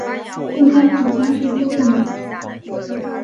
应天府乡试第六名。